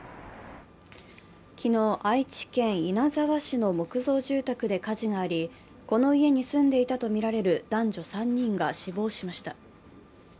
昨日、愛知県稲沢市の木造住宅で火事がありこの家に住んでいたとみられる男女３人が死亡しました。